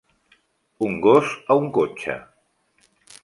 Un gos a un cotxe.